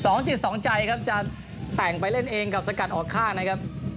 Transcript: สองจิตสองใจครับจะแต่งไปเล่นเองกับสกัดออกข้างนะครับ